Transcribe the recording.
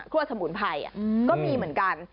สมุนไพรก็มีเหมือนกัน